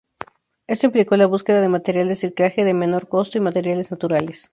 Esto implicó la búsqueda de material de reciclaje, de menor costo y materiales naturales.